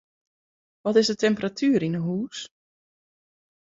Wat is de temperatuer yn 'e hûs?